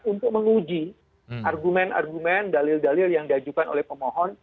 untuk menguji argumen argumen dalil dalil yang diajukan oleh pemohon